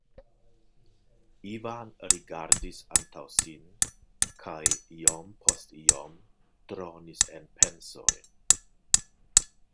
Ivan rigardis antaŭ sin kaj iom post iom dronis en pensojn.